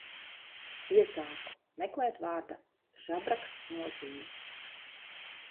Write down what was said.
Iesāku meklēt vārda žabraks nozīmi.